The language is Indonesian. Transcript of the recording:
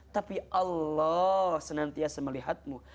tapi allah senantiasa melihatmu